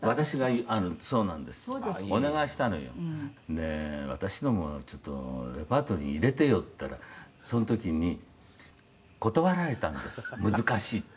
「“ねえ私のもちょっとレパートリーに入れてよ”って言ったらその時に断られたんです難しいって」